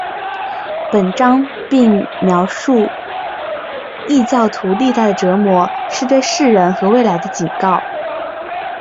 本章并描述异教徒历代的折磨是对世人和未来的警告。